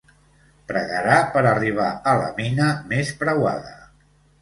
Pregarà per arribar a la mina més preuada.